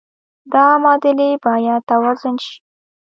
دا معادلې باید توازن شي.